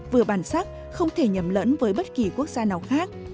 vừa bản sắc không thể nhầm lẫn với bất kỳ quốc gia nào khác